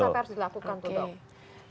apa yang harus dilakukan tuh dong